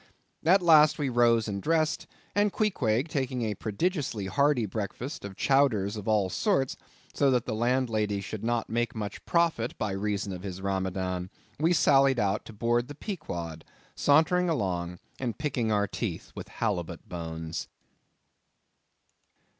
At last we rose and dressed; and Queequeg, taking a prodigiously hearty breakfast of chowders of all sorts, so that the landlady should not make much profit by reason of his Ramadan, we sallied out to board the Pequod, sauntering along, and picking our teeth with halibut bones.